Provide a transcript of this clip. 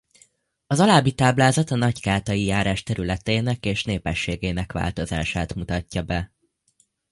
Az alábbi táblázat a Nagykátai járás területének és népességének változását mutatja be.